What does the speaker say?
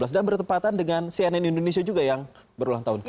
dan bertempatan dengan cnn indonesia juga yang berulang tahun ke enam belas